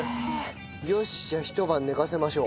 よしじゃあひと晩寝かせましょう。